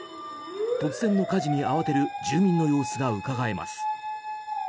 突然の火事に慌てる住民の様子がうかがえます。